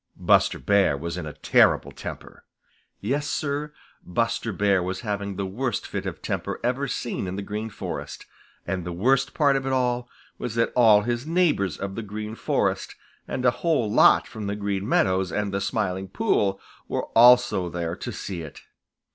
Buster Bear was in a terrible temper. Yes, Sir, Buster Bear was having the worst fit of temper ever seen in the Green Forest. And the worst part of it all was that all his neighbors of the Green Forest and a whole lot from the Green Meadows and the Smiling Pool were also there to see it.